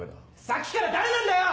さっきから誰なんだよ！